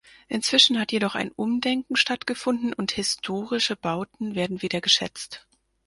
Inzwischen hat jedoch ein Umdenken stattgefunden und historistische Bauten werden wieder geschätzt.